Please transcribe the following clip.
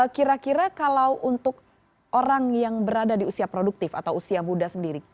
kira kira kalau untuk orang yang berada di usia produktif atau usia muda sendiri